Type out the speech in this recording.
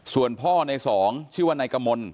ส่วนพ่อในสองชื่อว่านายกมล